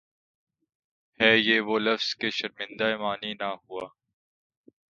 ہے یہ وہ لفظ کہ شرمندۂ معنی نہ ہوا